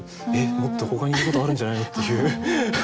もっとほかに言うことあるんじゃないの？」っていう。